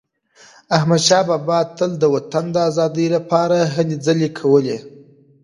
احمدشاه بابا تل د وطن د ازادی لپاره هلې ځلي کولي.